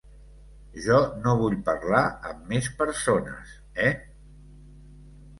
Jo no vull parlar amb més persones, eh?